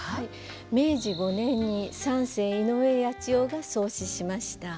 明治５年に三世井上八千代が創始しました。